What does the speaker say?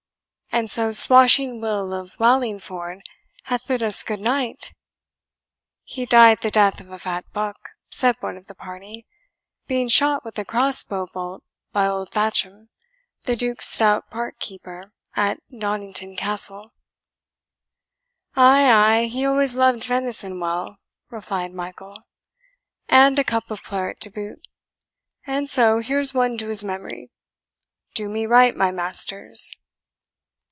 And so Swashing Will of Wallingford hath bid us good night?" "He died the death of a fat buck," said one of the party, "being shot with a crossbow bolt, by old Thatcham, the Duke's stout park keeper at Donnington Castle." "Ay, ay, he always loved venison well," replied Michael, "and a cup of claret to boot and so here's one to his memory. Do me right, my masters."